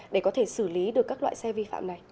để có thể xử lý được các loại xe vi phạm này